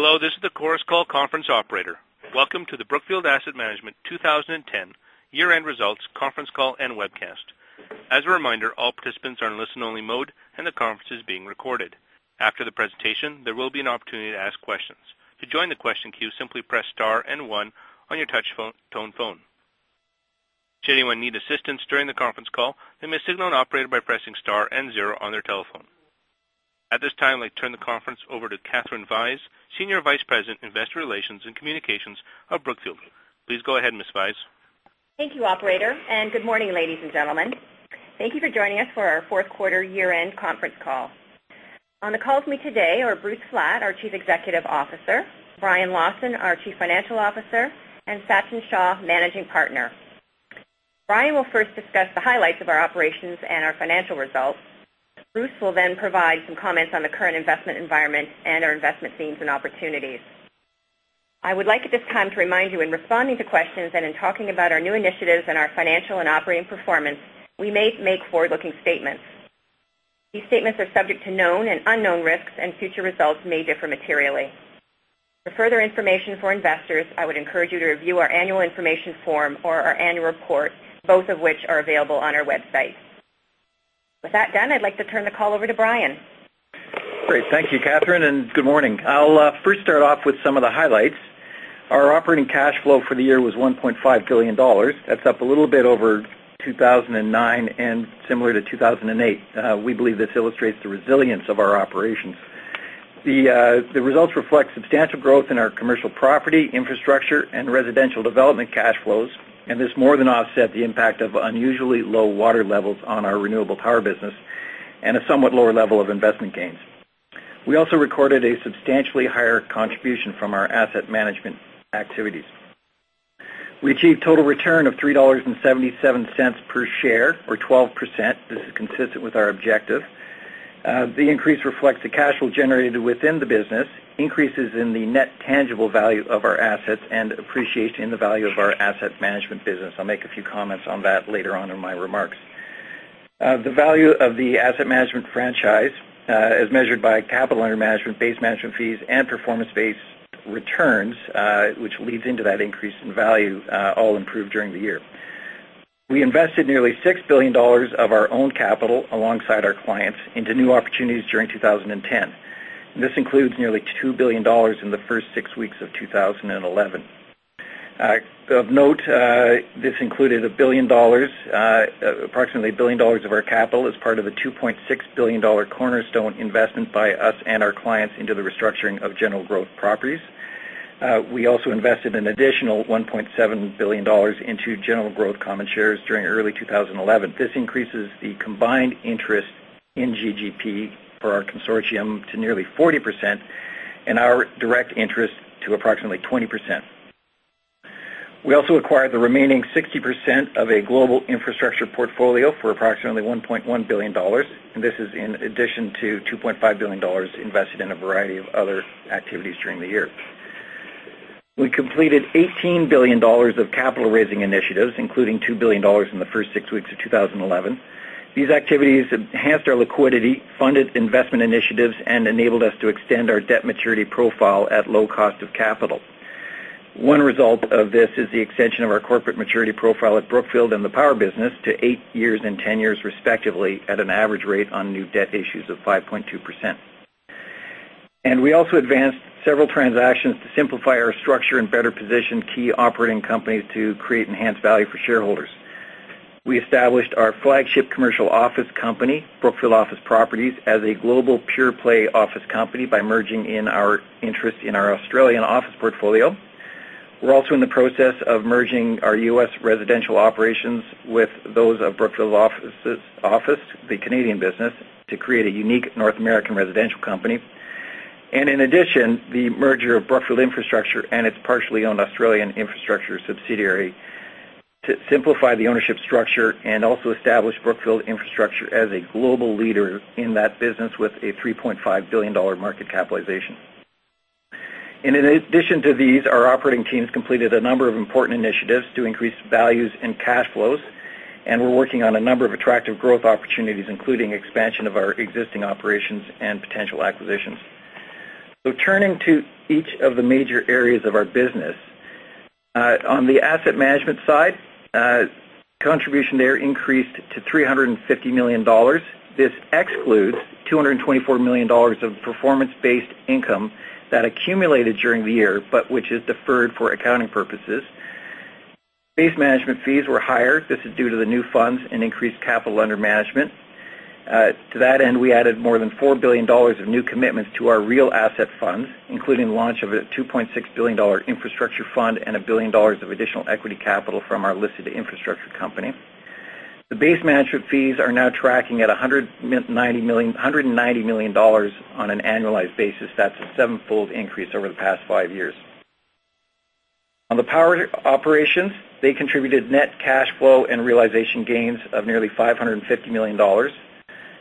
Hello. This is the Chorus Call conference operator. Welcome to the Brookfield Asset Management 2010 Year End Results Conference Call and Webcast. As a reminder, all participants are in a listen only mode and the conference is being recorded. After the presentation, there will be an opportunity to ask questions. At this time, I'd like to turn the conference over to Catherine Vyse, Senior Vice President, Investor Relations and Communications of Brookfield. Please go ahead, Ms. Vyse. Thank you, operator, and good morning, ladies and gentlemen. Thank you for joining us for our Q4 year end conference call. On the call with me today are Bruce Flat, our Chief Executive Officer Brian Lawson, our Chief Financial Officer and Sachin Shah, Managing Partner. Brian will first discuss the highlights of our operations and our financial results. Bruce will then provide some comments on the current investment environment and our investment needs and opportunities. I would like at this time to remind you in responding to questions and in talking about our new initiatives and our financial and operating performance, we may make forward looking statements. These statements are subject to known and unknown risks and future results may differ materially. For further information for investors, I would encourage you to review our annual information form or our annual report, both of which are available on our website. With that done, I'd like to turn the call over to Brian. Great. Thank you, Catherine, and good morning. I'll first start off with some of the highlights. Our operating cash flow for the year was $1,500,000,000 that's up a little bit over 2,009 and similar to 2,008. We believe this illustrates the resilience of our operations. The results reflect substantial growth in our property, infrastructure and residential development cash flows and this more than offset the impact of unusually low water levels on our renewable power business and a somewhat lower level of investment gains. We also recorded a substantially higher contribution from our asset management activities. We achieved total return of $3.77 per share or 12%. This is consistent with our objective. The increase reflects the cash flow generated within the business, increases in the net tangible value of our assets and appreciating the value of our asset management business. I'll make a few comments on that later on in my remarks. The value of the asset management franchise as measured by capital under management, base management fees and performance based returns, which leads into that increase in value all improved during the year. We invested nearly $6,000,000,000 of our own capital alongside our clients into new opportunities during 2010. This includes nearly $2,000,000,000 in the 1st 6 weeks of 2011. Of note, this included $1,000,000,000 approximately $1,000,000,000 of our capital as part of the 2.6 $1,000,000,000 cornerstone investment by us and our clients into the restructuring of General Growth Properties. We also invested an additional $1,700,000,000 into general growth common shares during early 2011. This increases the combined interest in GGP for our consortium to nearly 40% and our direct interest to approximately 20%. We also acquired the remaining 60% of a global infrastructure portfolio for approximately $1,100,000,000 and this is in addition to $2,500,000,000 invested in a variety of other activities during the year. We completed $18,000,000,000 of capital raising initiatives, including $2,000,000,000 in the 1st 6 weeks of 2011. These activities have enhanced our liquidity, funded investment initiatives and enabled us to extend our debt maturity profile at low cost of capital. One result of this is the extension of our corporate maturity profile at Brookfield and the power business to 8 years 10 years respectively at an average rate on new debt issues of 5.2%. And we also advanced several transactions to simplify our structure and better position key operating companies to create enhanced value for shareholders. We established our flagship commercial office company, Brookfield Office Properties as a global pure play office company by merging in our interest in our Australian office portfolio. We're also in the process of merging our U. S. Residential operations with those of Brookfield office, the Canadian business to create a unique North American residential company. And in addition, the merger of Brookfield Infrastructure and its partially owned Australian subsidiary to simplify the ownership structure and also establish Brookfield Infrastructure as a global leader in that business with a $3,500,000,000 market capitalization. And in addition to these, our operating teams completed a number of important initiatives to increase values and cash flows and we're working on a number of attractive growth opportunities including expansion of our existing operations and potential acquisitions. So turning to each of the major areas of our business. On the asset management side, contribution there increased to $350,000,000 This excludes $224,000,000 of performance based income that accumulated during the year, but which is deferred for accounting purposes. Base management fees were higher. This is due to the new funds and increased capital under management. To that end, we added more than $4,000,000,000 of new commitments to our real asset funds, including the launch of a 2 point infrastructure fund and $1,000,000,000 of additional equity capital from our listed infrastructure company. The base management fees are now tracking at On the power operations, they contributed net cash flow and realization gains of nearly $550,000,000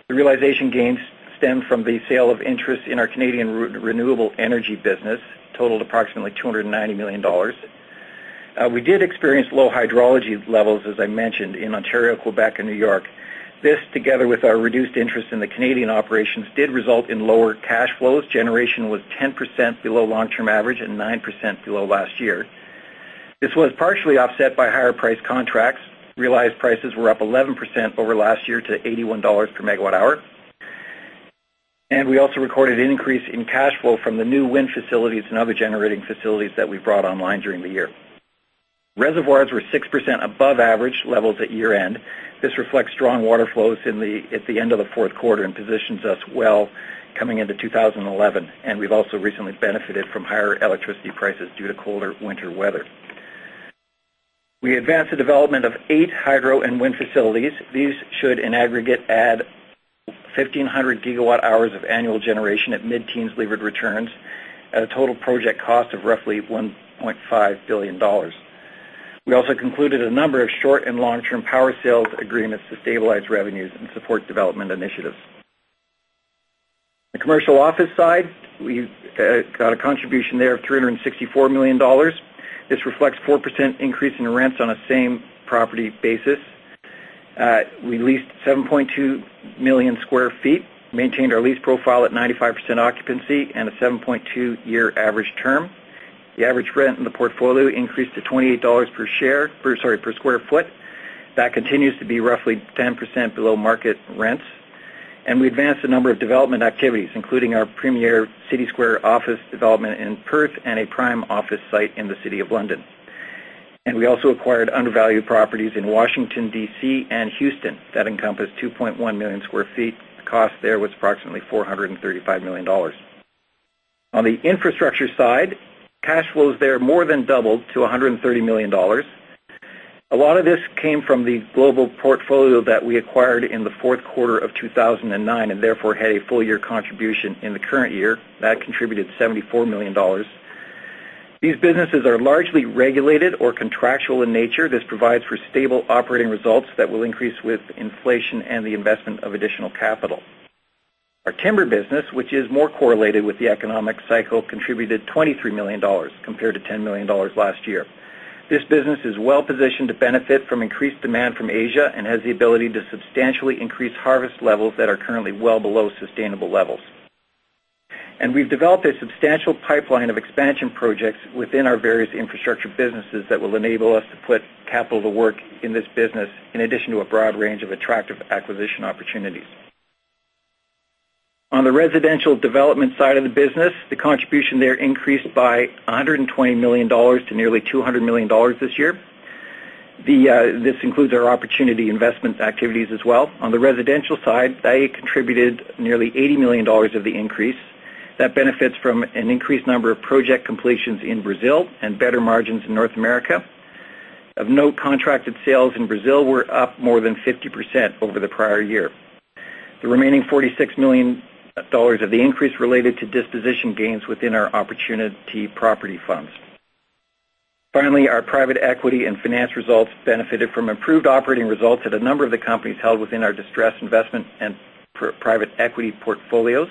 The realization gains stem from the sale of interest in our Canadian Renewable Energy business, totaled approximately $290,000,000 We did experience low hydrology levels, as I mentioned, in Ontario, Quebec and New York. This, together with our reduced interest in the Canadian operations, in lower cash flows. Generation was 10% below long term average and 9% below last year. This was partially offset by higher price contracts. Realized prices were up 11% over last year to $81 per megawatt hour. And we also recorded an increase in cash flow from the new wind facilities and other generating facilities that we brought online during the year. Reservoirs were 6% above average levels at year end. This reflects strong water flows at the end of the 4th quarter and positions us well coming into 2011. And we've also recently benefited from higher prices due to colder winter weather. We advanced the development of 8 hydro and wind facilities. These should in aggregate add 1500 gigawatt hours of annual generation at mid teens levered returns at a total project cost of roughly $1,500,000,000 We also concluded a number of short and long term power sales agreements to stabilize revenues and support development initiatives. The commercial office side, we've got a contribution there of $364,000,000 This reflects 4% increase in rents on a same property basis. We leased 7,200,000 square feet, maintained our lease profile at 95% occupancy and a 7.2 year average term. The average rent in the portfolio increased to $28 per share sorry, per square foot. That continues to be roughly 10% below market rents. And we advanced a number of development activities, including our premier City Square office development in Perth and a prime office site in the City of London. And we also acquired undervalued properties in Washington DC and Houston that encompass 2,100,000 square feet. The cost there was approximately $435,000,000 On the infrastructure side, cash flows there more than doubled to $130,000,000 A lot of this came from the global portfolio that we acquired in the Q4 of 2009 and therefore had a full year contribution in the current year That contributed $74,000,000 These businesses are largely regulated or contractual in nature. This provides for stable operating results that will increase with inflation and the investment of additional capital. Our timber business, which is more correlated with the economic cycle contributed $23,000,000 compared to $10,000,000 last year. This business is well positioned to benefit from increased demand from Asia and has the ability to substantially increase harvest levels that are currently well below sustainable levels. And we've developed a substantial pipeline of expansion projects within our various infrastructure businesses that will enable us to put capital to work in this business in addition to a broad range of attractive acquisition opportunities. On the residential development side of the business, the contribution there increased by $120,000,000 to nearly $200,000,000 this year. This includes our opportunity investments activities as well. On the residential side, Daia contributed nearly $80,000,000 of the increase. That benefits from an increased number of project completions in Brazil and better margins in North America. Of no contracted sales in Brazil were up more than 50 percent over the prior year. The remaining $46,000,000 of the increase related to disposition gains within our opportunity property funds. Finally, our private equity and finance results benefited from improved operating results at a number of the companies held within our distressed investment and private equity portfolios.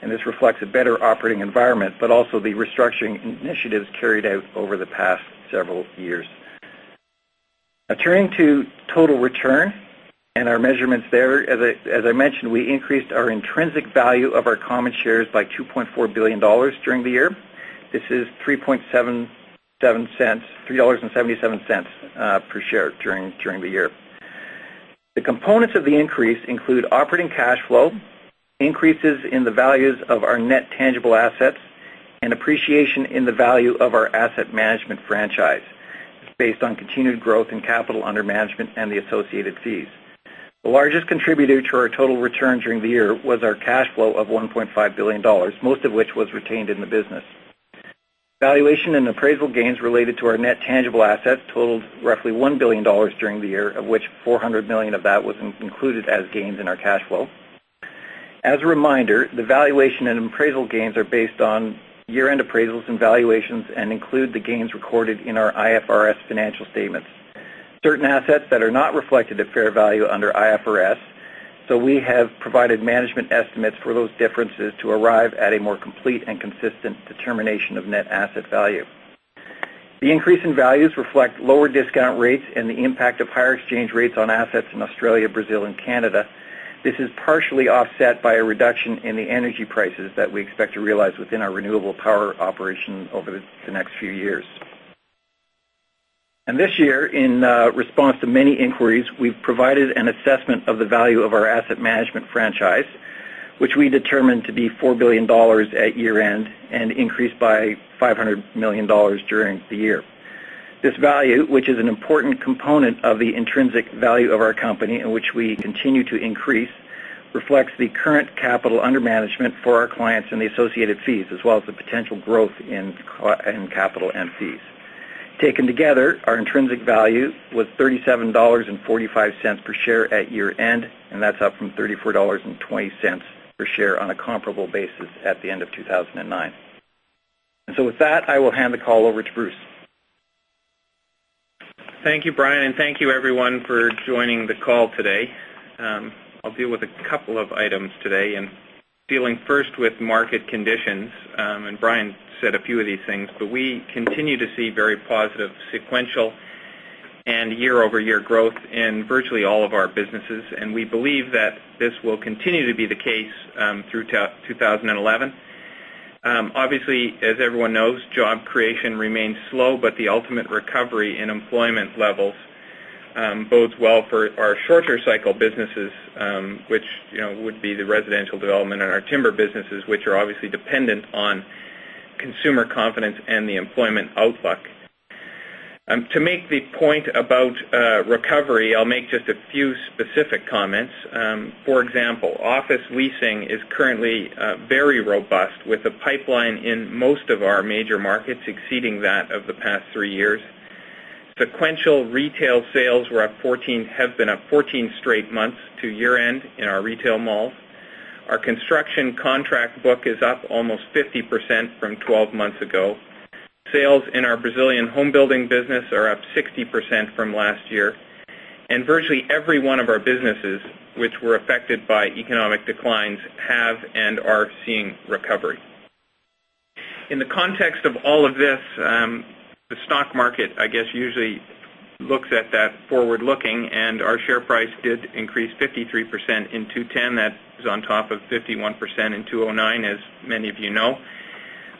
And this reflects a better operating environment, but also the restructuring initiatives carried out over the past several years. Now turning to total return and our measurements there, as I mentioned, we increased our intrinsic value of our common shares by $2,400,000,000 during the year. This is $3.77 per share during the year. The components of the increase include operating cash flow, increases in the values of our net tangible assets and appreciation in the value of our asset management franchise, based on continued growth in capital under management and the associated fees. The largest contributor to our total return during the year was our cash flow of $1,500,000,000 most of which was retained in the business. Valuation and appraisal gains related to our net tangible assets totaled roughly $1,000,000,000 during the year of which $400,000,000 of that was included as gains in our cash flow. As a reminder, the valuation and appraisal gains are based on year end appraisals and valuations and include the gains recorded in our IFRS financial statements. Certain assets that are not reflected at fair value under IFRS, so we have provided management estimates for those differences to arrive at a more complete and consistent determination of net asset value. The increase in values reflect lower discount rates and the impact of higher exchange rates on assets in Australia, Brazil and Canada. This is partially offset by a reduction in the energy prices that we expect to realize within our renewable power operation over the next few years. And this year in response to many inquiries, we've provided an assessment of the value of our asset management franchise, which we determined to be $4,000,000,000 at year end and increased by $500,000,000 during the year. This value, which is an important component of the intrinsic value of our company and which we continue to increase, reflects the current capital under management for our clients and the associated fees as well as the potential growth in capital and fees. Taken together, our intrinsic value was $37.45 per share at year end and that's up from $34.20 per share on a comparable basis at the end of 2,009. And so with that, I will hand the call over to Bruce. Thank you, Brian, and thank you everyone for joining the call today. I'll deal with a couple of items today and dealing first with market conditions and Brian said a few of these things. But we continue to see very positive sequential and year over year growth in virtually all of our businesses and we believe that this will continue to be the case through 2011. Obviously, as everyone knows, job creation remains slow, but the ultimate recovery in employment levels bodes well for our shorter cycle businesses, which would be the residential development and our timber businesses, which are obviously dependent on consumer confidence and the employment outlook. To make the point about recovery, I'll make just a few specific comments. For example, office leasing is currently very robust with a pipeline in most of our major markets exceeding that of the past 3 years. Sequential retail sales were up 14 has been up 14 straight months to year end in our retail malls. Our construction contract book is up almost 50% from 12 months ago. Sales in our Brazilian homebuilding business are up 60% from last year and virtually every one of our businesses which were affected by economic declines have and are seeing recovery. In the context of all of this, the stock market I guess usually looks at that forward looking and our share price did increase 53% in 2010 that is on top of 51% in 2009 as many of you know.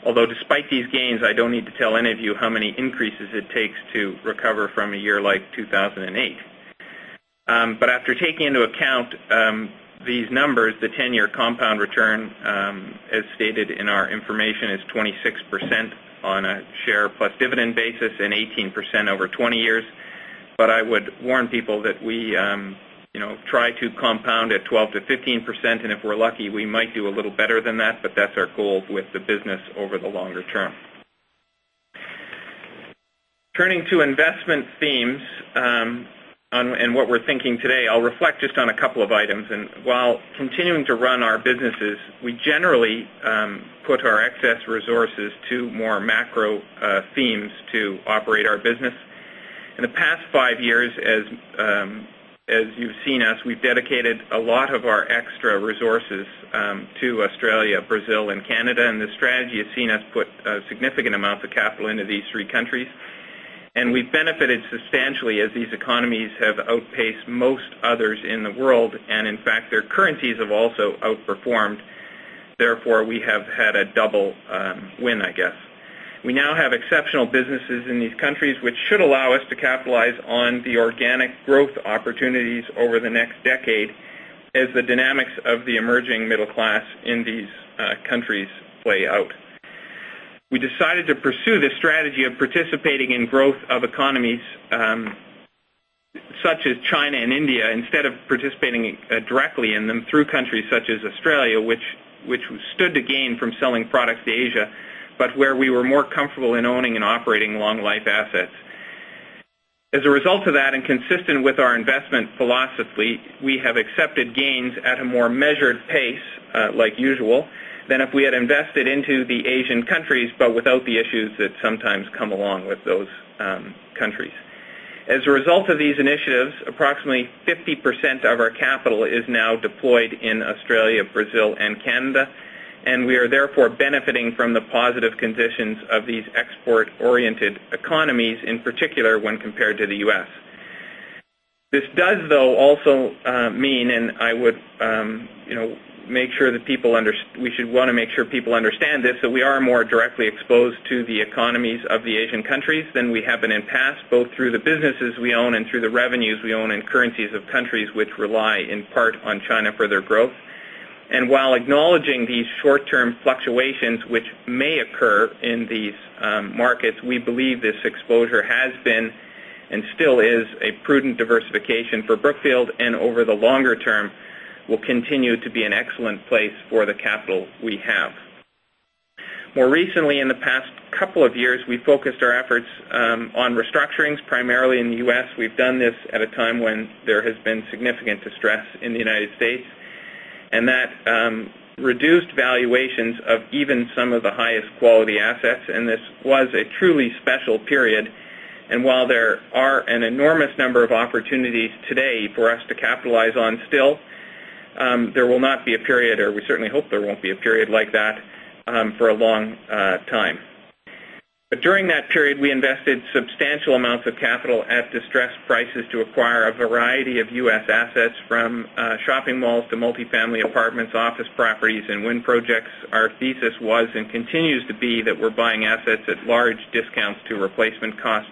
Although despite these gains, I don't need to tell any of you how many increases it takes to recover from a year like 2,008. But after taking into account these numbers, the 10 year compound return as stated in our information is 26 percent on a share plus dividend basis and 18% over 20 years. But I would warn people that we try to compound at 12% to 15% and if we're lucky, we might do a little better than that, but that's our goal with the business over the longer term. Turning to investment themes and what we're thinking today, I'll reflect just on a couple of items and while continuing to run our businesses, we generally put our excess resources to more macro themes to operate our business. In the past 5 years, as you've seen us, we've dedicated a lot of our extra resources to Australia, Brazil and Canada and the strategy has seen us put significant amounts of capital into these three countries. And we've benefited substantially as these economies have outpaced most others in the world and in fact their currencies have also outperformed. Therefore, we have had a double win, I guess. We now have exceptional businesses in these countries, which should allow us to capitalize on the organic growth opportunities over the next decade as the dynamics of the emerging middle class in these countries play out. We decided to pursue the strategy of participating in growth of economies such as China and India instead of participating directly in them through countries such as Australia, which stood again from selling products to Asia, but where we were more comfortable in owning and operating long life assets. As a result of that and consistent with our investment philosophy, we have accepted gains at a more measured pace like usual than if we had invested into the Asian countries, but without the issues that sometimes come along with those countries. As a result of these initiatives, approximately 50% of our capital is now deployed in Australia, Brazil and Canada and we are therefore benefiting from the positive conditions of these export oriented economies in particular when compared to the U. S. This does though also mean and I would make sure that people we should want to make sure people understand this that we are more directly exposed to economies of the Asian countries than we have been in past, both through the businesses we own and through the revenues we own in currencies of countries, which rely in part on China for their growth. And while acknowledging these short term fluctuations, which may occur in these markets, we believe this exposure has been and still is a prudent diversification for Brookfield and over the longer term will continue to be an excellent place for the capital we have. More recently in the past couple of years, we focused our efforts on restructurings primarily in the U. S. We've done this at a time when there has been significant distress in the United States and that reduced valuations of even some of the highest quality assets and this was a truly special period. And while there are an enormous number of opportunities today for us to capitalize on still, there will not be a period or we certainly hope there won't be a period like that for a long time. But during that period, we invested substantial amounts of capital at distressed prices to acquire a variety of U. S. Assets from shopping malls to multifamily apartments, office properties and wind projects. Our thesis was and continues to be that we're buying assets at large discounts to replacement cost.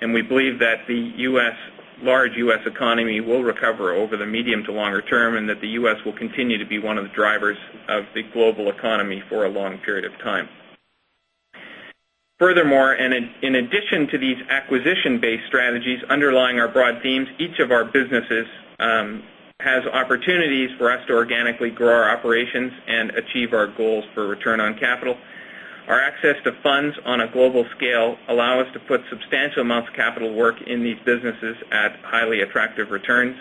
And we believe that the U. S. Large U. S. Economy will recover over the medium to longer term and that the U. S. Will continue to be one of the drivers of the global economy for a long period of time. Furthermore, and in addition to these acquisition based strategies underlying our broad themes, each of our businesses has opportunities for us to organically grow our operations and achieve our goals for return on capital. Our access to funds on a global scale allow us to put substantial amounts of capital work in these businesses at highly attractive returns.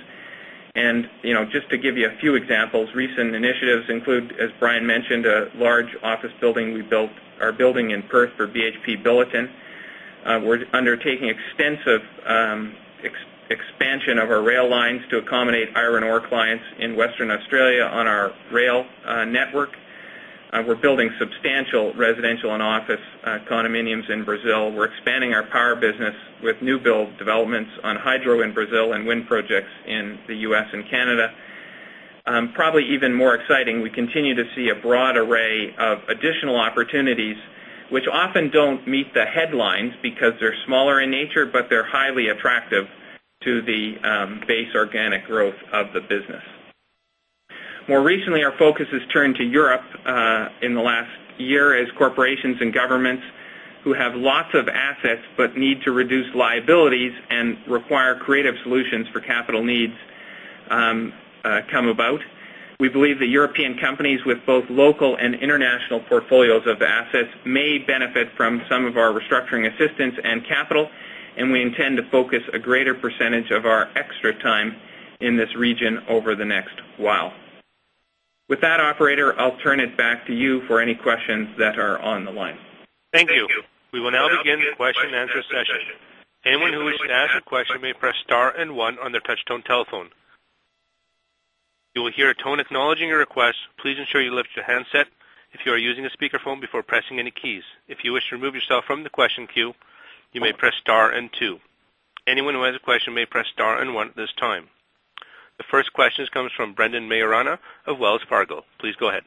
And just to give you a few examples, recent initiatives include, as Brian mentioned, a large office building we built our building in Perth for BHP Billiton. We're undertaking extensive expansion of our rail lines to accommodate iron ore clients in Western Australia on our rail network. We're building substantial residential and office condominiums in Brazil. We're expanding our power business with new build developments on hydro in Brazil and wind projects in the U. S. And Canada. Probably even more exciting, we continue to see a broad array of additional opportunities, which often don't meet the headlines because they're smaller in nature, but they're highly attractive to the base organic growth of the business. More recently, our focus has turned to Europe in the last year as corporations and governments who have lots of assets but need to reduce liabilities and require creative solutions for capital needs come about. We believe that European companies with both local and international portfolios of assets may benefit from some of our restructuring assistance and capital and we intend to focus a greater percentage of our extra time in this region over the next while. With that, operator, I'll turn it back to you for any questions that are on the line. Thank you. We will now begin the question The first question comes from Brendan Mayeron of Wells Fargo. Please go ahead.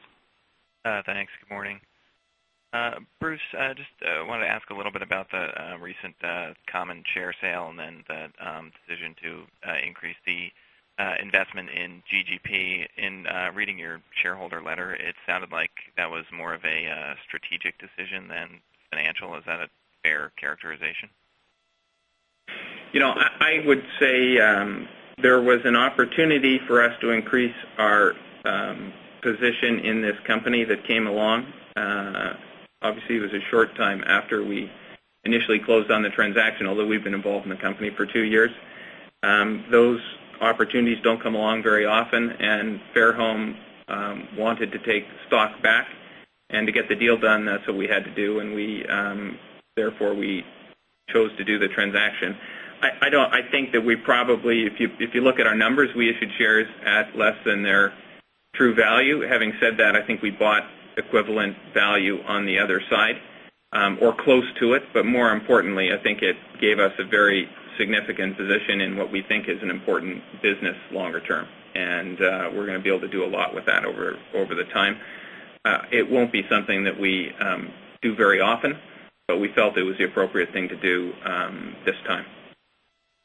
Thanks. Good morning. Bruce, I just wanted to ask a little bit about the recent common share sale and then that decision to increase the investment in GGP. In reading your shareholder letter, it sounded like that was more of a strategic decision than financial. Is that a fair characterization? I would say there was an opportunity for us to increase our position in this company that came along. Obviously, it was a short time after we initially closed on the transaction although we've been involved in the company for 2 years. Those opportunities don't come along very often and Fairholme wanted to take stock back and to get the deal done. That's what we had to do and we therefore we chose to do the transaction. I don't I think that we probably if you look at our numbers, we issued shares at less than their true value. Having said that, I think we bought equivalent value on the other side or close to it. But more importantly, I think it gave us a very significant position in what we think is an important business longer term. And we're going to be able to do a lot with that over the time. It won't be something that we do very often, but we felt it was the appropriate thing to do this time.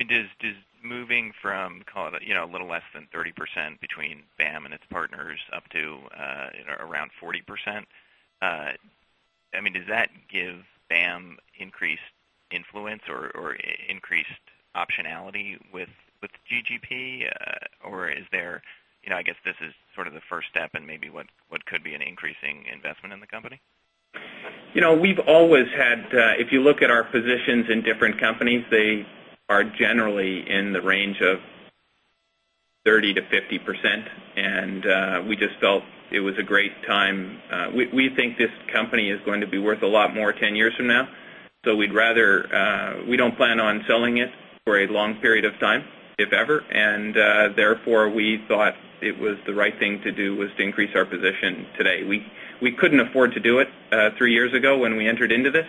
And just moving from call it a little less than 30% between BAAM and its partners up to around 40%, I mean does that give BAAM increased influence or increased optionality with GGP? Or is there I guess, this is sort of the first step and maybe what could be an increasing investment in the company? We've always had if you look at our positions in different companies, they are generally in the range of 30% to 50%. And we just felt it was a great time. We think this company is going to be worth a lot more 10 years from now. So we'd rather we don't plan on selling it for a long period of time, if ever. And therefore, we thought it was the right thing to do was to increase our position today. We couldn't afford to do it 3 years ago when we entered into this,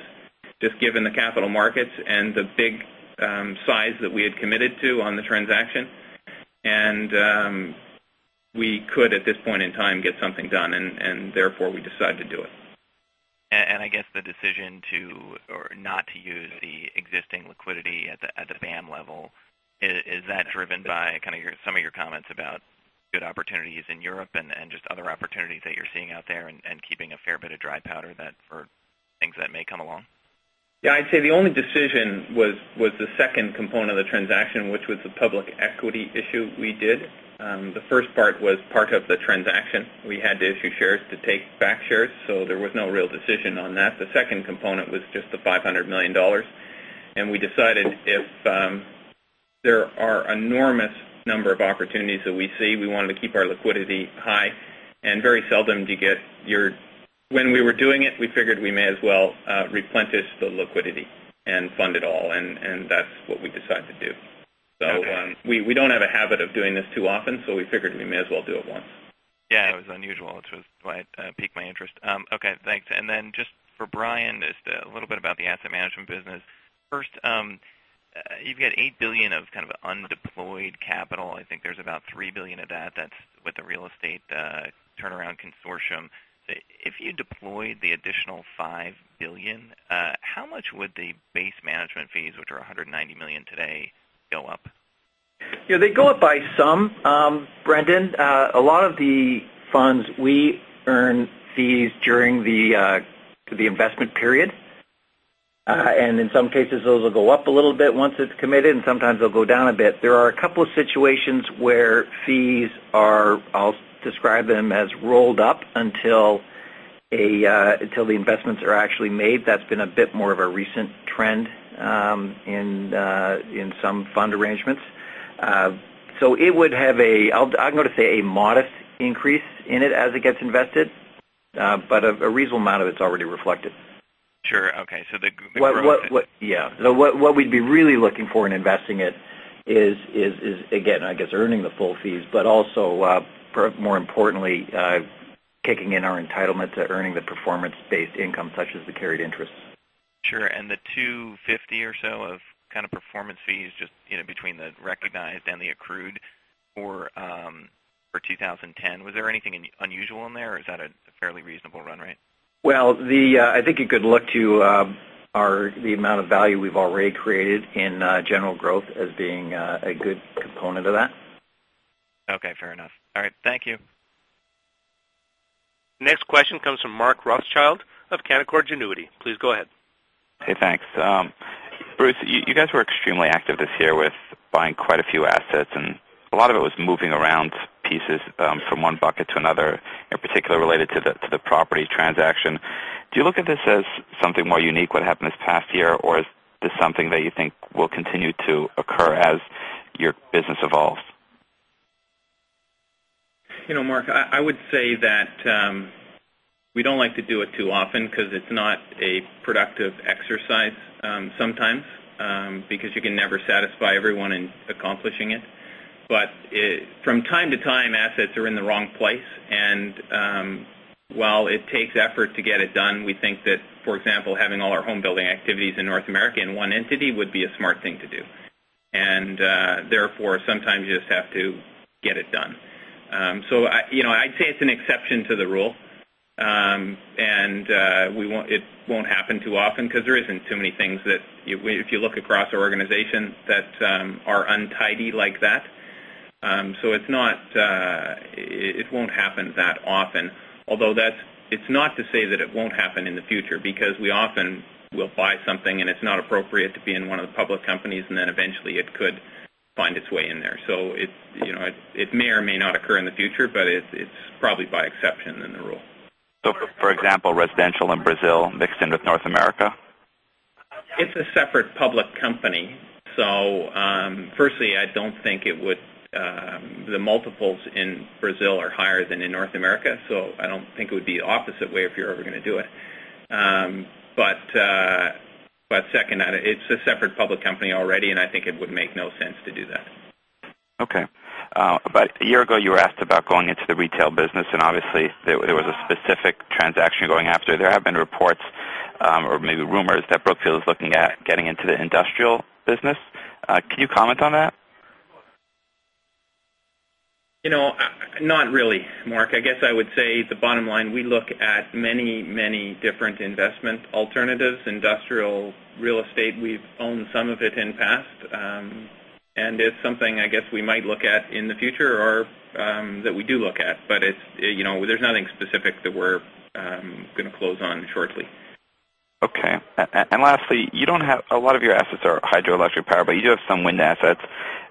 just given the capital markets and the big size that we had committed to on the transaction. And we could at this point in time get something done and therefore we decide to do it. And I guess the decision to or not to use the existing liquidity at the spam level, is that driven by kind of your some of your comments about good opportunities in Europe and just other opportunities that you're seeing out there and keeping a fair bit of dry powder that for things that may come along? Yes. I'd say the only decision was the second component of the transaction, which was the public equity issue we did. The first part was part of the transaction. We had to issue shares to take back shares, so there was no real decision on that. The second component was just the $500,000,000 and we decided if there are enormous number of opportunities that we see, we wanted to keep our liquidity high and very seldom to get your when we were doing it, we figured we may as well replenish the liquidity and fund it all and that's what we decide to do. So we don't have a habit of doing this too often, so we figured we may as well do it once. Yes, that was unusual. It was why it piqued my interest. Okay, thanks. And then just for Brian, just a little bit about the asset management business. First, you've got $8,000,000,000 of kind of undeployed capital. I think there's about $3,000,000,000 of that. That's with the real estate turnaround consortium. If you deployed the additional $5,000,000,000 how much would the base management fees which are $190,000,000 today go up? Yes, they go up by some, Brendan. A lot of the funds we earn fees during the investment period. And in some cases, those will go up a little bit once it's committed and sometimes they'll go down a bit. There are a couple of situations where fees are, I'll describe them as rolled up until the investments are actually made. That's been a bit more of a recent trend in some fund arrangements. So it would have a modest increase in it as it gets invested, but a reasonable amount of it is already reflected. Sure. Okay. So the gross profit Yes. So what we'd be really looking for in investing it is again, I guess earning the full fees, but also more importantly kicking in our entitlement to earning the performance based income such as the carried interest. Sure. And the $250,000,000 or so of kind of performance fees just between the recognized and the accrued for 20.10, was there anything unusual in there? Or is that a fairly reasonable run rate? Well, I think you could look to the amount of value we've already created in general growth as being a good component of that. Okay, fair enough. All right. Thank you. Next question comes from Mark Rothschild of Canaccord Genuity. Please go ahead. Hey, thanks. Bruce, you guys were extremely active this year with buying quite a few assets and a lot of it was moving around pieces from 1 bucket to another, in particular related to the property transaction. Do you look at this as something more unique what happened this past year or is this something that you think will continue to occur as your business evolves? Mark, I would say that we don't like to do it too often because it's not a productive exercise sometimes because you can never satisfy everyone in accomplishing it. But from time to time, assets are in the wrong place. And while it takes effort to get it done, we think that, for example, having all our homebuilding activities in North America in one entity would be a smart thing to do. And therefore, sometimes you just have to get it done. So I'd say it's an exception to the rule. And we won't it won't happen too often because there isn't too many things that if you look across our organization that are untidy like that. So it's not it won't happen that often. Although that's it's not to say that it won't happen in the future because we often will buy something and it's not appropriate to be in one of the public companies and then eventually it could find its way in there. So it may or may not occur in the future, but it's probably by exception in the rule. So for example, residential in Brazil mixed in with North America? It's a separate public company. So firstly, I don't think it would the multiples in Brazil are higher than in North America. So I don't think it would be opposite way if you're ever going to do it. But second, it's a separate public company already and I think it would make no sense to do that. Okay. But a year ago you were asked about going into the retail business and obviously there was a specific transaction going after. There have been reports or maybe rumors that Brookfield is looking at getting into the industrial business. Can you comment on that? Not really, Mark. I guess I would say the bottom line, we look at many, many different investment alternatives, industrial real estate, we've owned some of it in past. And it's something I guess we might look at in the future or that we do look at. But it's there's nothing specific that we're going to close on shortly. Okay. And lastly, you don't have a lot of your assets are hydroelectric power, but you do have some wind assets.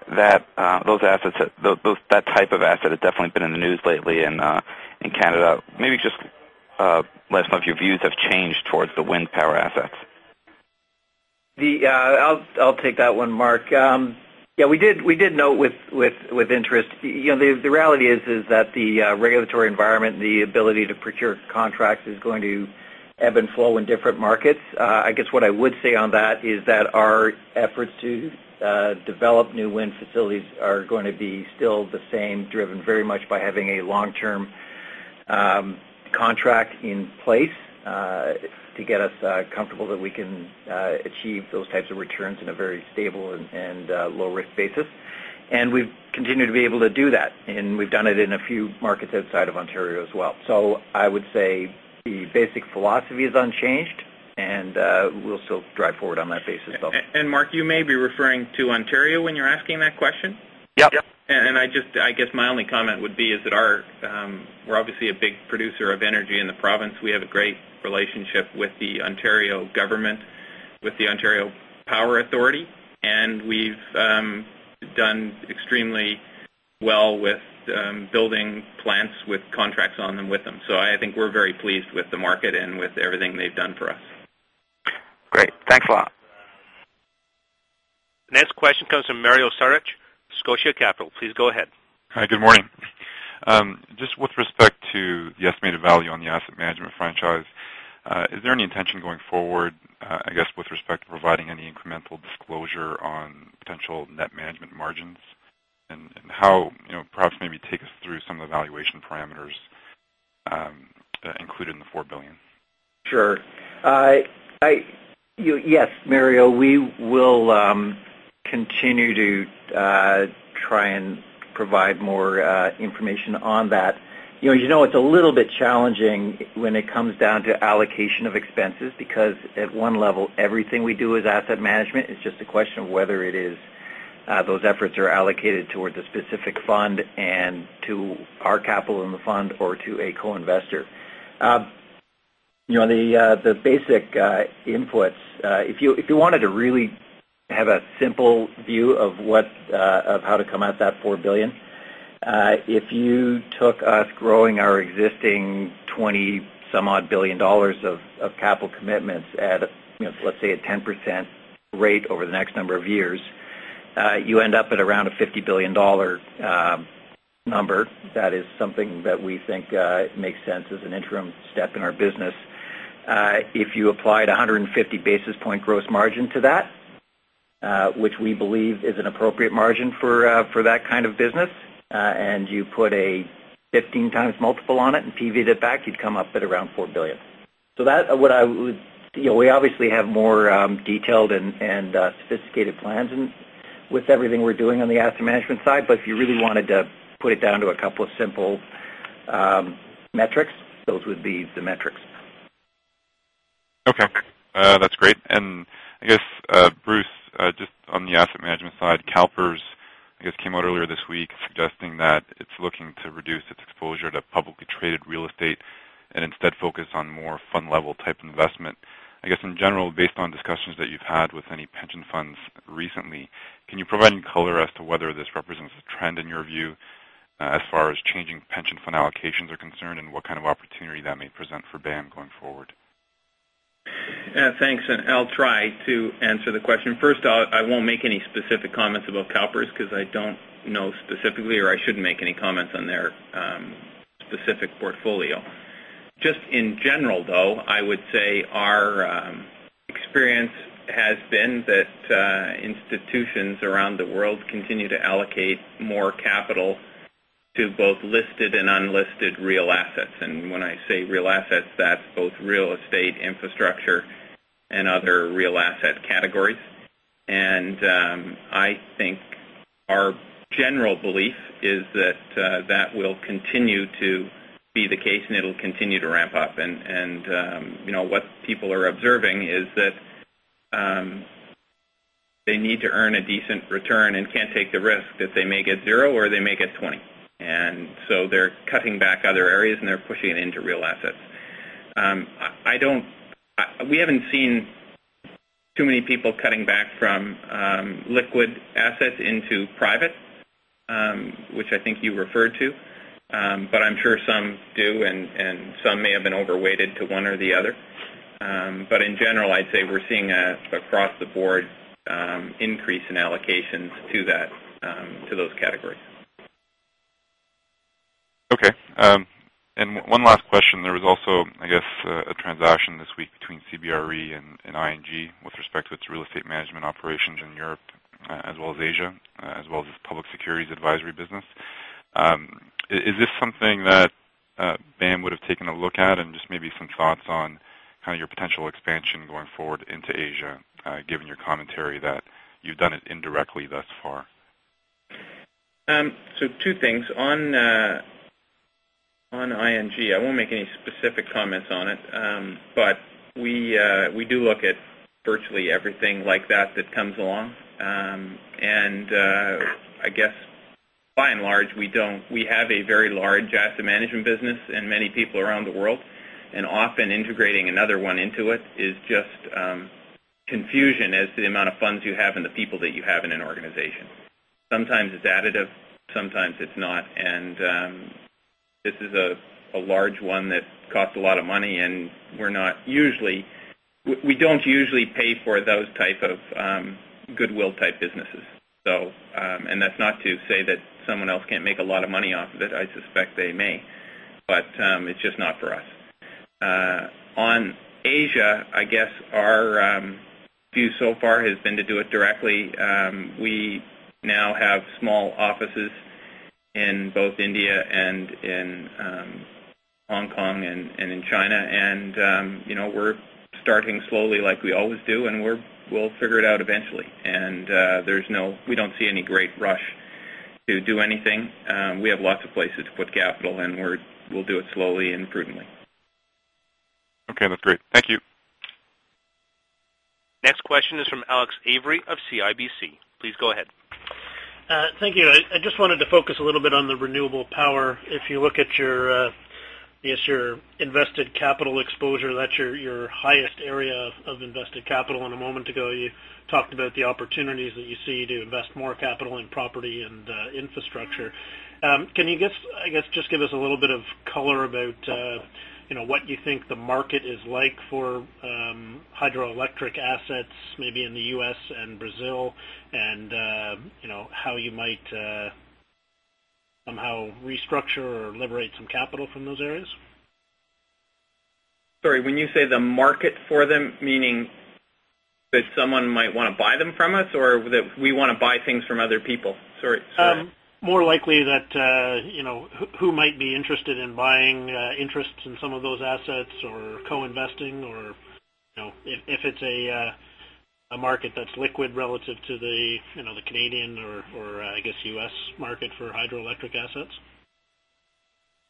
Those assets that type of asset have definitely been in the news lately in Canada. Maybe just last month, your views have changed towards the wind power assets? I'll take that one, Mark. We did note with interest. The reality is that the regulatory environment, the ability to procure contracts is going to ebb and flow in different markets. I guess what I would say on that is that our efforts to develop new wind facilities are going to be still the same driven very much by having a long term contract in place to get us comfortable that we can achieve those types of returns in a very stable and low risk basis. And we've continued to be able to do that and we've done it in a few markets outside of Ontario as well. So I would say the basic philosophy is unchanged and we'll still drive forward on that basis. And Mark, you may be referring to Ontario when you're asking that question. Yes. And I just I guess my only comment would be is that our we're obviously a big producer of energy in the province. We have a great relationship with the Ontario government, with the Ontario Power Authority. And we've done extremely well with building plants with contracts on them with them. So I think we're very pleased with the market and with everything they've done for us. Great. Thanks a lot. Next question comes from Mario Saric, Scotia Capital. Please go ahead. Hi, good morning. Just with respect to the estimated value on the asset management franchise, is there any intention going forward, I guess, with respect to providing any incremental disclosure on potential net management margins? And how perhaps maybe take us through some of the valuation parameters included in the 4,000,000,000 dollars Sure. Yes, Mario, we will continue to try and provide more information on that. As you know, it's a little bit challenging when it comes down to allocation of expenses because at one level everything we do is asset management. It's just a question of whether it is those efforts are allocated towards a specific fund and to our capital in the fund or to a co investor. The basic inputs, if you wanted to really have a simple view of what of how to come out that $4,000,000,000 If you took us growing our existing 20 some odd $1,000,000,000 of capital commitments at, let's say, a 10% rate over the next number of years, you end up at around a $50,000,000,000 number. That is something that we think makes sense as an interim step in our business. If you applied 150 basis point gross margin to that, which we believe is an appropriate margin for that kind of business, and you put a 15 times multiple on it and PV that back, you'd come up at around $4,000,000,000 So that what I would we obviously have more detailed and sophisticated plans and with everything we're doing on the asset management side. But if you really wanted to put it down to a couple of simple metrics, those would be the metrics. Okay. That's great. And I guess, Bruce, just on the asset management side, CalPERS, I guess, came out earlier this week suggesting that it's looking to reduce its exposure to publicly traded real estate and instead focus on more fund level type investment. I guess in general based on discussions that you've had with any pension funds recently, can you provide any color as to whether this represents a trend in your view as far as changing pension fund allocations are concerned and what kind of opportunity that may present for BAM going forward? Thanks. And I'll try to answer the question. First off, I won't make any specific comments about CalPERS because I don't know specifically or I shouldn't make any comments on their specific portfolio. Just in general though, I would say our experience has been that institutions around the world continue to allocate more capital to both listed and unlisted real assets. And when I say real assets, that's both real estate infrastructure and other real asset categories. And I think our general belief is that that will continue to be the case and it will continue to ramp up. And what people are observing is that they need to earn a decent return and can't take the risk that they may get 0 or they may get 20%. And so they're cutting back other areas and they're pushing it into real assets. I don't we haven't seen too many people cutting back from liquid assets into private, which I think you referred to. But I'm sure some do and some may have been over weighted to 1 or the other. But in general, I'd say we're seeing across the board increase in allocations to that to those categories. Okay. And one last question. There was also, I guess, a transaction this week between CBRE and ING with respect to its real estate management operations in Europe as well as Asia as well as Public Securities Advisory business. Is this something that BAM would have taken a look at? And just maybe some thoughts on kind of your potential expansion going forward into Asia, given your commentary that you've done it indirectly thus far? So two things on ING, I won't make any specific comments on it. But we do look at virtually everything like that that comes along. And I guess by and large, we don't we have a very large asset management business and many people around the world. And often integrating another one into it is just confusion as to the amount of funds you have and the people that you have in an organization. Sometimes it's additive, sometimes it's not. And this is a large one that costs a lot of money and we're not usually we don't usually pay for those type of goodwill type businesses. So and that's not to say that someone else can't make a lot of money off of it, I suspect they may. But it's just not for us. On Asia, I guess our view so far has been to do it directly. We now have small offices in both India and in Hong Kong and in China. And we're starting slowly like we always do and we'll figure it out eventually. And there's no we don't see any great rush to do anything. We have lots of places to put capital and we'll do it slowly and prudently. Next question is from Alex Avery of CIBC. Please go ahead. Thank you. I just wanted to focus a little bit on the renewable power. If you look at your invested capital exposure, that's your highest area of invested capital. And a moment ago, you talked about the opportunities that you see to invest more capital in property and infrastructure. Can you just I guess just give us a little bit of color about what you think the market is like for hydroelectric assets maybe in the U. S. And Brazil? And how you might somehow restructure or liberate some capital from those areas? Sorry, when you say the market for them, meaning that someone might want to buy them from us or that we want to buy things from other people? Sorry. More likely that who might be interested in buying interests in some of those assets or co investing or if it's a market that's liquid relative to the Canadian or I guess U. S. Market for hydroelectric assets?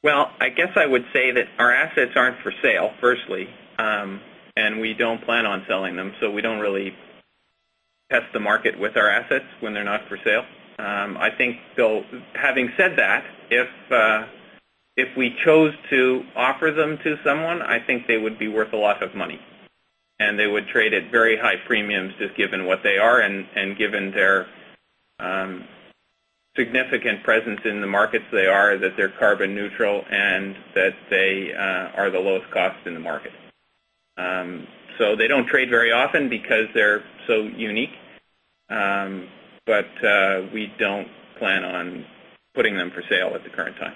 Well, I guess I would say that our assets aren't for sale firstly, and we don't plan on selling them. So we don't really test the market with our assets when they're not for sale. I think Bill having said that, if we chose to offer them to someone, I think they would be worth a lot of money and they would trade at very high premiums just given what they are and given their significant presence in the markets they are that they're carbon neutral and that they are the lowest cost in the market. So they don't trade very often because they're so unique, but we don't plan on putting them for sale at the current time.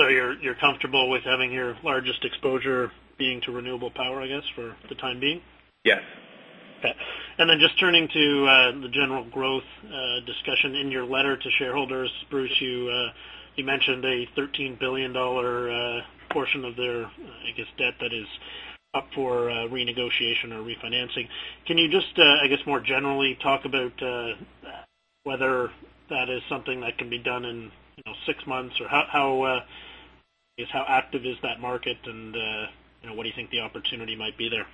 So you're comfortable with having your largest exposure being to renewable power, I guess, for the time being? Yes. Okay. And then just turning to the general growth discussion in your letter to shareholders. Bruce, you mentioned a $13,000,000,000 portion of their, I guess, debt that is up for renegotiation or refinancing. Can you just, I guess, more generally talk about whether that is something that can be done in 6 months or is how active is that market and what do you think the opportunity might be there?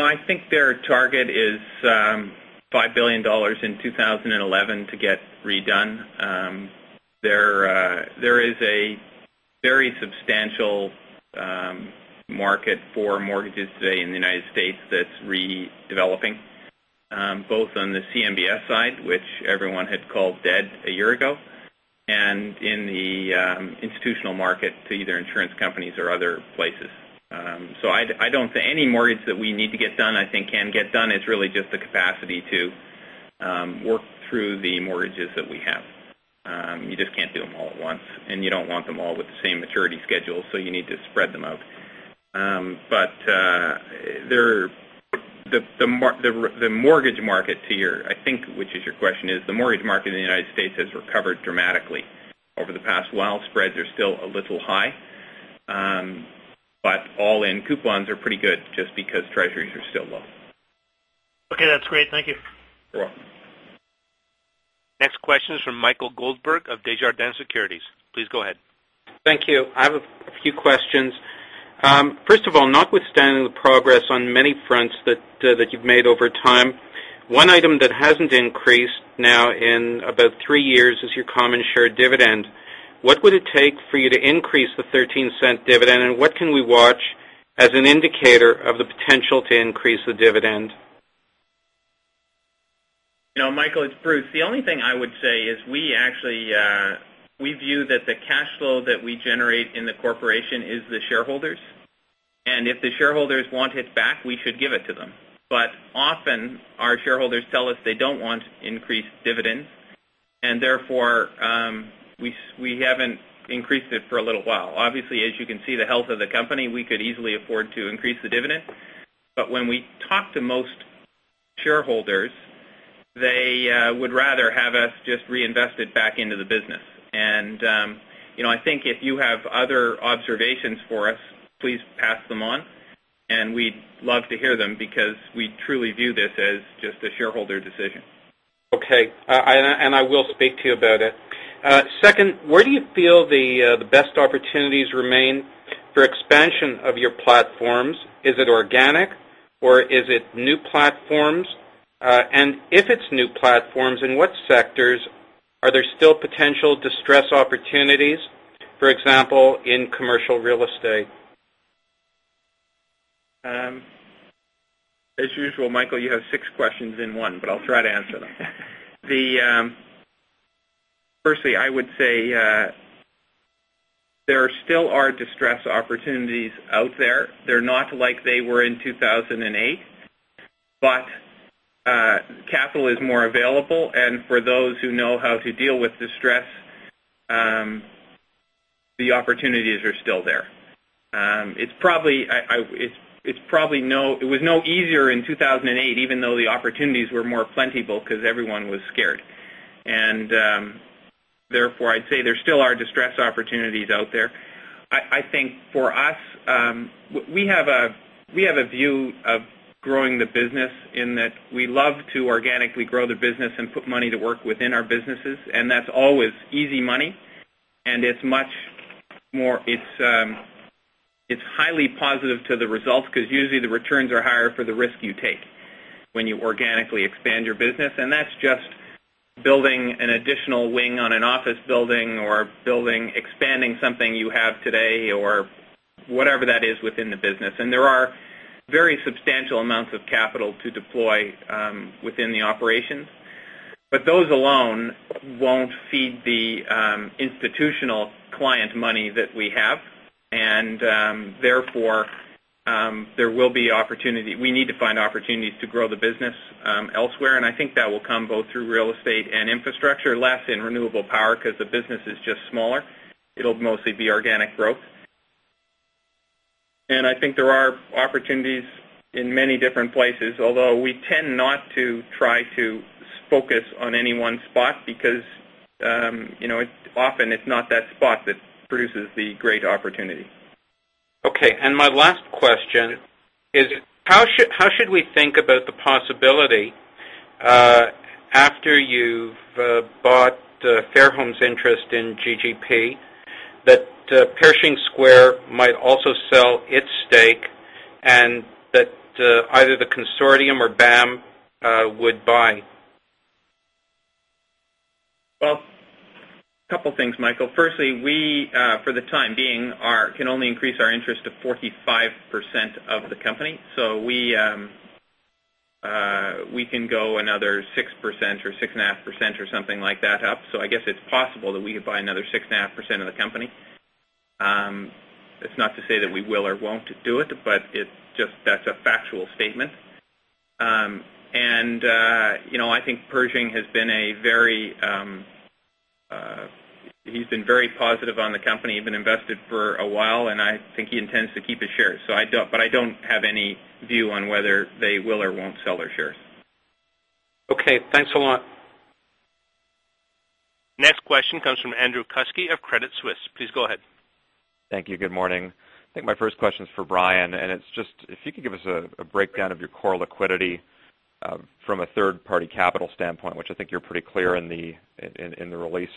I think their target is $5,000,000,000 in 20.11 to get redone. There is a very substantial market for mortgages today in the United States that's redeveloping, both on the CMBS side, which everyone had called dead a year ago and in the institutional market to either insurance companies or other places. So I don't see any mortgage that we need to get done, I think can get done. It's really just the capacity to work through the mortgages that we have. You just can't do them all at once and you don't want them all with the same maturity schedule. So you need to spread them out. But the mortgage market to your I think which is your question is the mortgage market in the States has recovered dramatically over the past while spreads are still a little high. But all in coupons are pretty good just because treasuries are still low. Okay. That's great. Thank you. You're welcome. Next question is from Michael Goldberg of Desjardins Securities. Please go ahead. Thank you. I have a few questions. First of all, notwithstanding the progress on many fronts that you've made over time, One item that hasn't increased now in about 3 years is your common share dividend. What would it take for you to increase the $0.13 dividend and what can we watch as an indicator of the potential to increase the dividend? Michael, it's Bruce. The only thing I would say is we actually we view that the cash flow that we generate in the corporation is the shareholders. And if the shareholders want it back, we should give it to them. But often, our shareholders tell us they don't want increased dividends. And therefore, we haven't increased it for a little while. Obviously, as you can see the health of the company, we could easily afford to increase the dividend. But when we talk to most shareholders, they would rather have us just reinvest it back into the business. And I think if you have other observations for us, please pass them on. And we'd love to hear them because we truly view this as just a shareholder decision. Okay. And I will speak to you about it. 2nd, where do you feel the best opportunities remain for expansion of your platforms? Is it organic or is it new platforms? And if it's new platforms, in what sectors are there still potential distress opportunities, for example, in commercial real estate? As usual, Michael, you have 6 questions in one, but I'll try to answer them. Firstly, I would say there are still our distressed opportunities out there. They're not like they were in 2,008, but capital is more available and for those who know how to deal with the stress, the opportunities are still there. It's probably no it was no easier in 2,008 even though the opportunities were more plentiful because everyone was scared. And therefore, I'd say there still are distressed opportunities out there. I think for us, we have a view of growing the business in that we love to organically grow the business and put money to work within our businesses and that's always easy money and it's much more it's highly positive to the results because usually the returns are higher for the risk you take when you organically expand your business. And that's just building an additional wing on an office building or building expanding something you have today or whatever that is within the business. And there are very substantial amounts of capital to deploy within the operations. But those alone won't feed the institutional client money that we have. And therefore, there will be opportunity we need to find opportunities to grow the business elsewhere. And I think that will come both through real estate and renewable power because the business is just smaller. It will mostly be organic growth. And I think there are opportunities in many different places, although we tend not to try to focus on any one spot because often it's not that spot that produces the great opportunity. Okay. And my last question is, how should we think about the possibility after you've bought Fairhomes interest in GGP that Piercing Square might also sell its stake and that either the consortium or BAM would buy? Well, couple of things, Michael. Firstly, we for the time being can only increase our interest to 45% of the company. So we can go another 6% or 6.5% or something like that up. So I guess it's possible that we could buy another 6.5% of the company. It's not to say that we will or won't do it, but it's just that's a factual statement. And I think Pershing has been a very he's been very positive on the company, he's been invested for a while and I think he intends to keep his shares. So I don't but I don't have any view on whether they will or won't sell their shares. Okay. Thanks a lot. Next question comes from Andrew Kuske of Credit Suisse. Please go ahead. Thank you. Good morning. I think my first question is for Brian and it's just if you could give us a breakdown of your core liquidity from a third party capital standpoint, which I think you're pretty clear in the release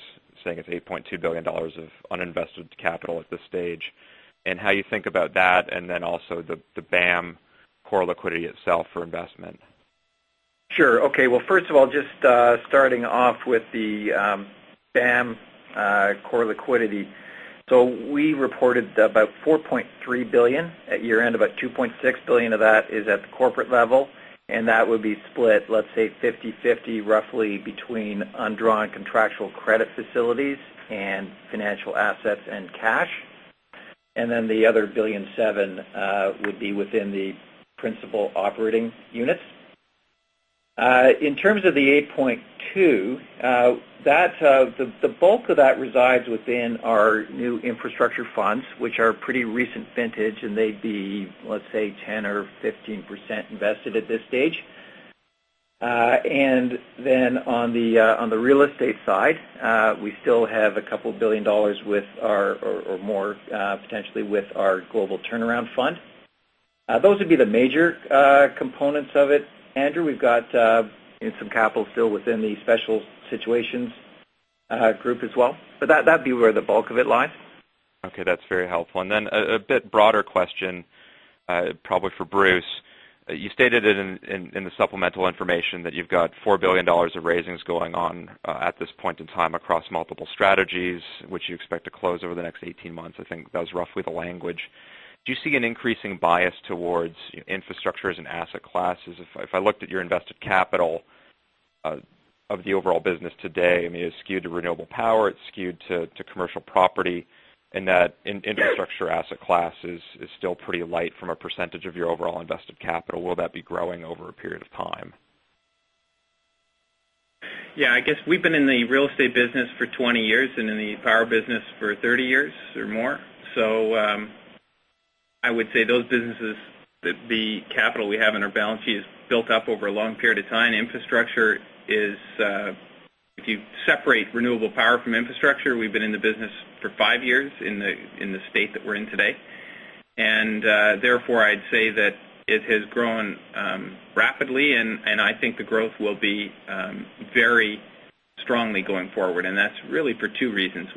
saying it's $8,200,000,000 of uninvested capital at this stage. And how you think about that and then also the BAM core liquidity itself for investment? Sure. Okay. Well, first of all, just starting off with the BAM core liquidity. So we reported about $4,300,000,000 at year end, about $2,600,000,000 of that is at the corporate level. And that would be split, let's say, fifty-fifty roughly between undrawn contractual credit facilities and financial assets and cash. And then the other $1,700,000,000 would be within the principal operating units. In terms of the 8.2 percent, the bulk of that resides within our new infrastructure funds, which are pretty recent vintage and they'd be, let's say, 10% or 15% invested at this stage. And then on the real estate side, we still have a couple $1,000,000,000 with our or more potentially with our global turnaround fund. Those would be the major components of it. Andrew, we've got some capital still within the special situations group as well. But that'd be where the bulk of it lies. Okay. That's very helpful. And then a bit broader question, probably for Bruce. You stated it in the supplemental information that you've got $4,000,000,000 of raisings going on at this point in time across multiple strategies, which you expect to close over the next 18 months. I think that was roughly the language. Do you see an increasing bias towards infrastructures and asset classes? If I looked at your invested capital of the overall business today, I mean, it's skewed to renewable power, it's skewed to commercial property and that infrastructure asset classes is still pretty light from a percentage of your overall invested capital, will that be growing over a period of time? Yes. I guess we've been in the real estate business for 20 years and in the power business for 30 years or more. So I would say those businesses that the capital we have in our balance sheet is built up over a long period of time. Infrastructure is if you separate renewable power from infrastructure, we've been in the business for 5 years in the state that we're in today. And therefore, I'd say that it has grown rapidly and I think the growth will be very strongly going forward. And that's really for two reasons.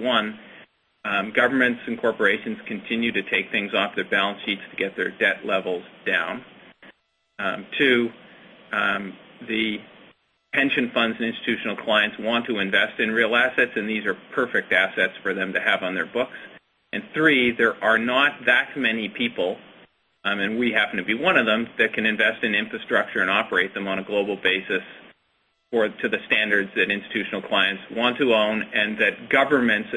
1, governments and corporations continue to take things off their balance sheets to get their debt levels down. 2, the pension funds and institutional clients want to invest in real assets and these are perfect assets for them to have on their books and 3, there are not that many people and we happen to be one of them that can invest in infrastructure and operate them on a global basis or to the standards that institutional clients want to own and that governments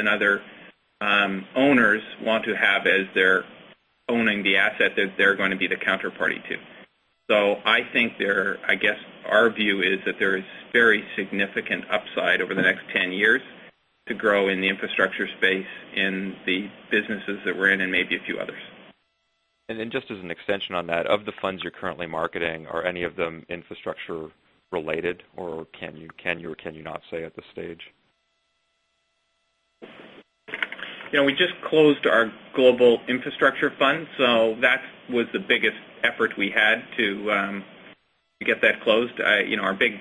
and other owners want to have as their owning the asset that they're going to be the counterparty to. So I think there I guess our view is that there is very significant upside over the next 10 years to grow in the infrastructure space in the businesses that we're in and maybe a few others. And then just as an extension on that, of the funds you're currently marketing, are any of them infrastructure related? Or can you or can you not say at this stage? We just closed our global infrastructure fund. So that was the biggest effort we had to to get that closed. Our big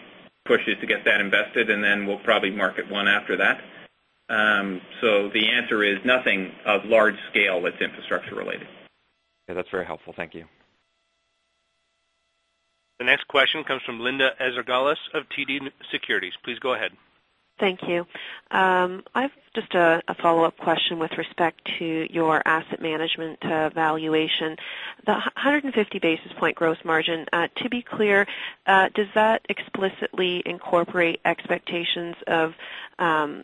push is to get that invested and then we'll probably market 1 after that. So the answer is nothing of large scale infrastructure related. The next question comes from Linda Ezergailis of TD Securities. Thank you. I have just a follow-up question with respect to your asset management valuation. The 150 basis point gross margin, to be clear, does that explicitly incorporate expectations of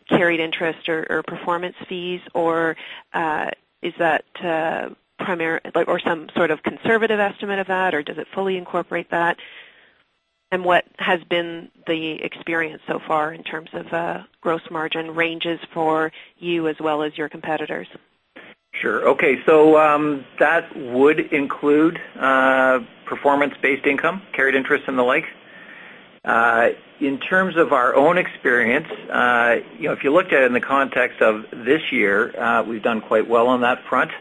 carried interest or performance fees? Or is that primary or some sort of conservative estimate of that? Or does it fully incorporate that? And what has been the experience so far in terms of gross margin ranges for you as well as your competitors? Sure. Okay. So that would include performance based income, carried interest and the like. In terms of our own experience, if you looked at it in the context of this year, we've done quite well on that front.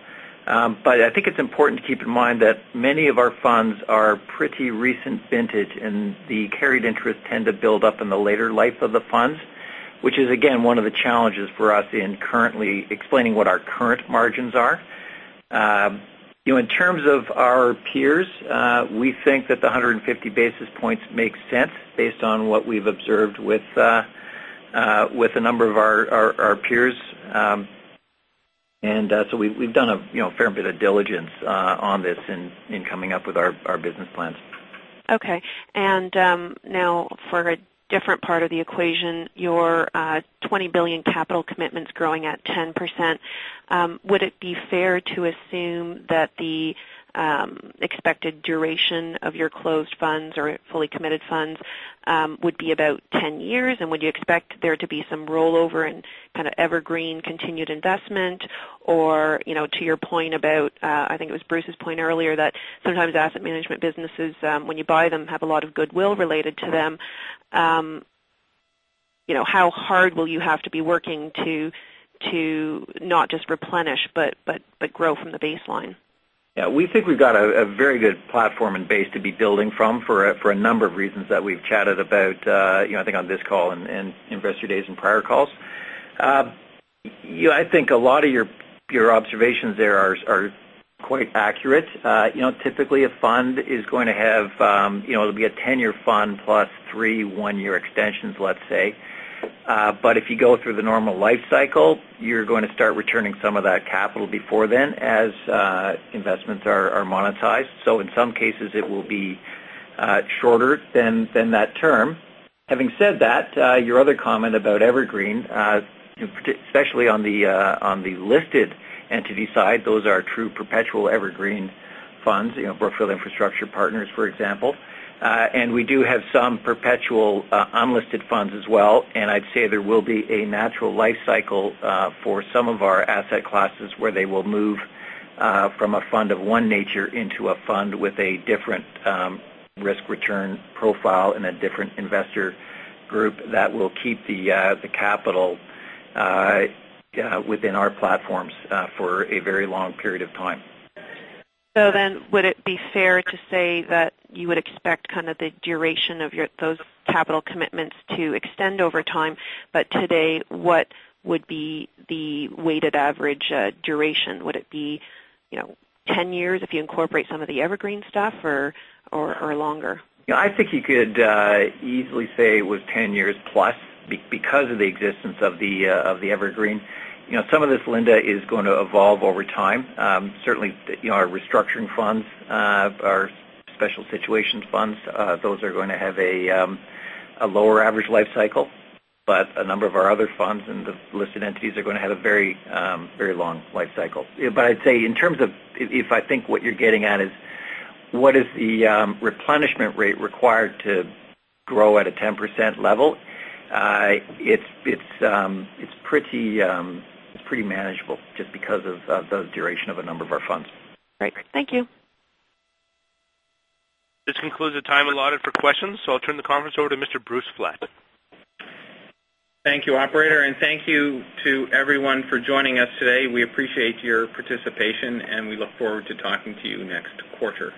But I think it's important to keep in mind that many of our funds are pretty recent vintage and the carried interest tend to build up in the later life of the funds, which is again one of the challenges for us in currently explaining what our current margins are. In terms of our peers, we think that the 150 basis points makes sense based on what we've observed with a number of our peers. And so we've done a fair bit of diligence on this in coming up with our business plans. Okay. And now for a different part of the equation, your $20,000,000,000 capital commitments growing at 10%. Would it be fair to assume that the expected duration of your closed funds or fully committed funds would be about 10 years? And would you expect there to be some rollover and kind of evergreen continued investment? Or to your point about, I think it was Bruce's point earlier that sometimes asset management businesses, when you buy them, have a lot of goodwill related to them. How hard will you have to be working to not just replenish, but grow from the baseline? Yes. We think we've got a very good platform and base to be building from for a number of reasons that we've chatted about, I think on this call and Investor Days and prior calls. I think a lot of your observations there are quite accurate. Typically a fund is going to have it will be a 10 year fund plus 3 1 year extensions let's say. But if you go through the normal life cycle, you're going to start returning some of that capital before then as investments are monetized. So in some case, especially on the listed entity side, those are true perpetual Evergreen funds, Brookfield Infrastructure Partners, for example. And we do have some perpetual unlisted funds as well. And I'd say there will be a natural life cycle for some of our asset classes where they will move from a fund of 1 nature into a fund with a different risk return profile and a different investor group that will keep the capital within our platforms for a very long period of time. So then would it be fair to say that you would expect kind of the duration of your those capital commitments to extend over time, But today, what would be the weighted average duration? Would it be 10 years if you incorporate some of the evergreen stuff or longer? I think you could easily say it was 10 years plus because of the existence of the evergreen. Some of this Linda is going to evolve over time. Certainly our restructuring funds are special situations funds. Those are going to have a lower average life cycle. But a number of our other funds and the listed entities are going to have a very long life cycle. But I'd say in terms of if I think what you're getting at is what is the replenishment rate required to grow at a 10% level? It's pretty manageable just because of the duration of a number of our funds. Great. Thank you. This concludes the time allotted for questions. So I'll turn the conference over to Mr. Bruce Flett. Thank you, operator, and thank you to everyone for joining us today. We appreciate your participation and we look forward to talking to you next quarter.